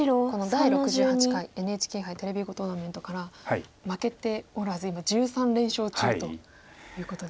「第６８回ＮＨＫ杯テレビ囲碁トーナメント」から負けておらず今１３連勝中ということで。